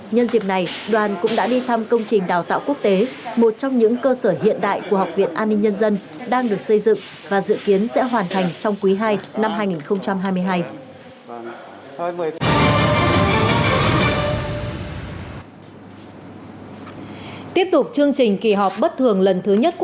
nhân dịp này đoàn cũng đã đi thăm công trình đào tạo quốc tế một trong những cơ sở hiện đại của học viện an ninh nhân dân đang được xây dựng và dự kiến sẽ hoàn thành trong quý ii năm hai nghìn hai mươi hai